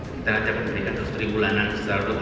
kita akan memberikan seteri bulanan setara rutin